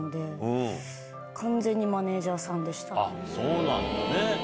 そうなんだね。